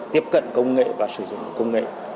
tiếp cận công nghệ và sử dụng công nghệ